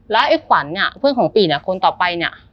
แล้วไอ้ขวัญอะเพื่อนของปีนอะคนต่อไปเนี่ย